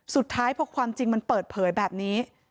สุดท้ายพอความจริงมันเปิดเผยแบบนี้